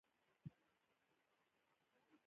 هرهغه شی